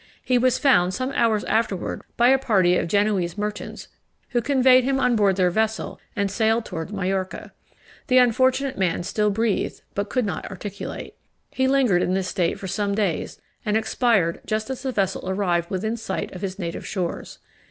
He was found some hours afterwards by a party of Genoese merchants, who conveyed him on board their vessel, and sailed towards Majorca. The unfortunate man still breathed, but could not articulate. He lingered in this state for some days, and expired just as the vessel arrived within sight of his native shores.